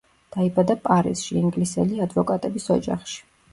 დაიბადა პარიზში, ინგლისელი ადვოკატების ოჯახში.